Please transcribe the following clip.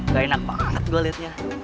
gak enak banget gue liatnya